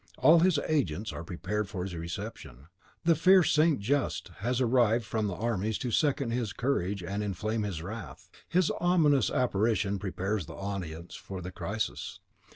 All his agents are prepared for his reception; the fierce St. Just has arrived from the armies to second his courage and inflame his wrath. His ominous apparition prepares the audience for the crisis.